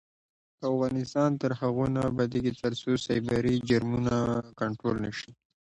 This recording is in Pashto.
افغانستان تر هغو نه ابادیږي، ترڅو سایبري جرمونه کنټرول نشي.